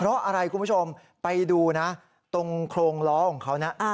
เพราะอะไรคุณผู้ชมไปดูนะตรงโครงล้อของเขานะ